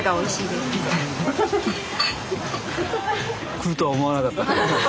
来るとは思わなかった。